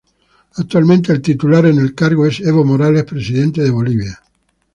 Actualmente el titular en el cargo es Evo Morales, presidente de Bolivia.